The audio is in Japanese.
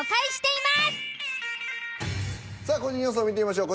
さあ個人予想見てみましょう。